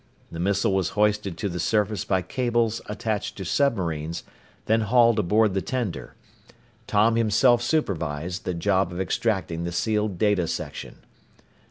The missile was hoisted to the surface by cables attached to submarines, then hauled aboard the tender. Tom himself supervised the job of extracting the sealed data section.